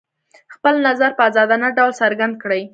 خپل نظر په ازادانه ډول څرګند کړي.